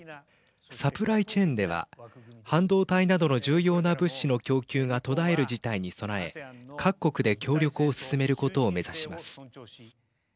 サプライチェーンでは半導体などの重要な物資の供給が途絶える事態に備え各国で協力を進めることを目指します。